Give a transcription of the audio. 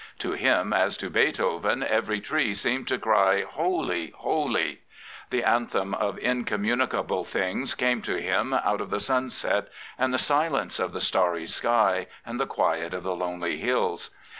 To him, as to Beethoven, every tree seemed to cry Holy, holy I" The anthem of incommunicable things came to him out of the sunset and the silence of the starry sky and the quiet of the lonely hills.